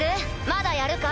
まだやるか？